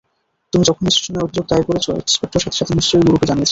তুমি যখনই স্টেশনে অভিযোগ দায়ের করছো, ইন্সপেক্টর সাথে সাথে নিশ্চয়ই গুরুকে জানিয়েছে।